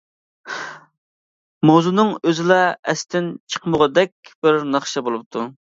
ماۋزۇنىڭ ئۆزىلا ئەستىن چىقمىغۇدەك بىر ناخشا بولۇپتۇ.